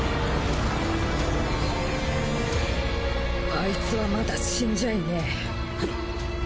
アイツはまだ死んじゃいねえ。